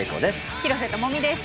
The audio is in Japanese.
廣瀬智美です。